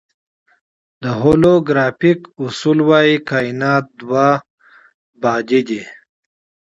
د هولوګرافیک اصول وایي کائنات دوه بعدی دی.